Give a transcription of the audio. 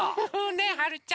ねっはるちゃん。